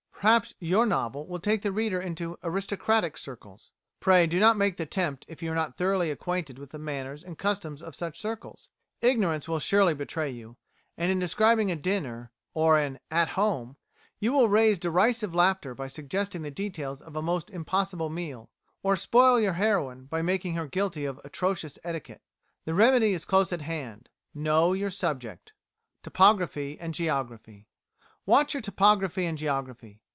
Perhaps your novel will take the reader into aristocratic circles. Pray do not make the attempt if you are not thoroughly acquainted with the manners and customs of such circles. Ignorance will surely betray you, and in describing a dinner, or an "At Home," you will raise derisive laughter by suggesting the details of a most impossible meal, or spoil your heroine by making her guilty of atrocious etiquette. The remedy is close at hand: know your subject. Topography and Geography Watch your topography and geography.